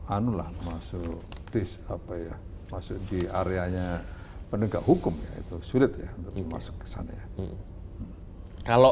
anulah masuk disapa ya masuk di areanya penegak hukum itu sulit ya masuk ke sana kalau